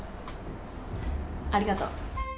ありがとう。